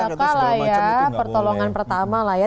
intinya pake tiga k lah ya pertolongan pertama lah ya